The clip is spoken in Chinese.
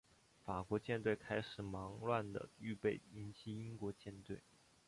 法国舰队开始忙乱地预备迎击英国舰队。